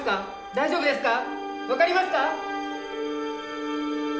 大丈夫ですか？